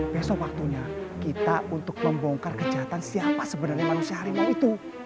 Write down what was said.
besok waktunya kita untuk membongkar kejahatan siapa sebenarnya manusia harimau itu